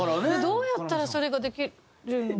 どうやったらそれができるように？